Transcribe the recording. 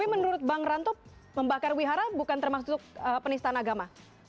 tapi menurut bang rantop membakar wihara bukan termasuk penistaan agama